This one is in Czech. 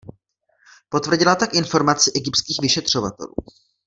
Potvrdila tak informaci egyptských vyšetřovatelů.